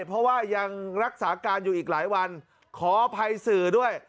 เพราะว่ายังรักษาการอยู่อีกหลายวันขออภัยสื่อด้วย